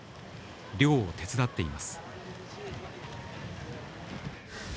漁を手伝っています